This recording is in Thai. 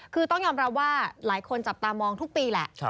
คือต้องยอมรับว่าหลายคนจับตามองทุกปีแหละ